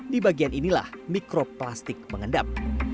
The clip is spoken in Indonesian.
di bagian inilah mikroplastik mengendap